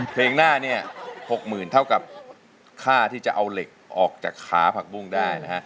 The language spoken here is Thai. เพลงหน้าเนี่ย๖๐๐๐เท่ากับค่าที่จะเอาเหล็กออกจากขาผักบุ้งได้นะฮะ